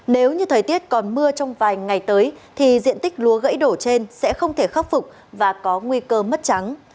nếu như thời tiết còn mưa trong vài ngày tới thì diện tích lúa gãy đổ trên sẽ không thể khắc phục và có nguy cơ mất trắng